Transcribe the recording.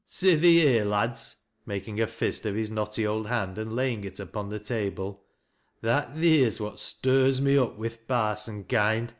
Sithee here, lads," mak ing a fist of his knotty old hand and laying it upon the table, " that theer's what stirs me up wi' th' parson kind.